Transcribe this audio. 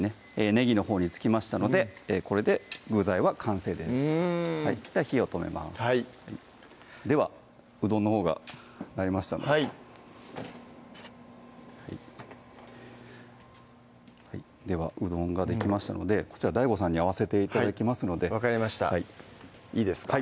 ねぎのほうにつきましたのでこれで具材は完成ですうんでは火を止めますではうどんのほうが鳴りましたのでではうどんができましたのでこちらＤＡＩＧＯさんに合わせて頂きますので分かりましたいいですか？